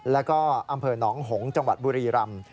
แล้วก็อำเภอหนองหงษ์จังหวัดบุรีรำ